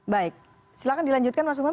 baik silahkan dilanjutkan mas umam